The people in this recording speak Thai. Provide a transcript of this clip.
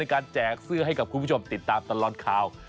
การแจกเสื้อให้กับคุณผู้ชมติดตามตลอดข่าว